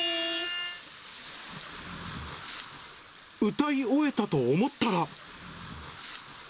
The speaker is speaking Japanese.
歌い終えたと思ったら。